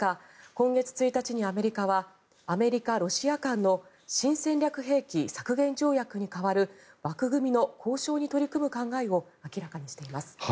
今月１日にアメリカはアメリカ、ロシア間の新戦略兵器削減条約に代わる枠組みの交渉に取り組む考えを明らかにしています。